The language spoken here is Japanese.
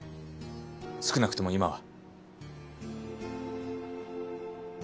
少なくとも今は。